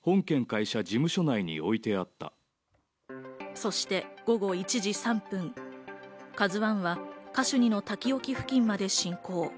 そして午後１時３分、「ＫＡＺＵ１」はカシュニの滝沖付近まで進行。